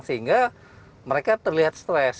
sehingga mereka terlihat stres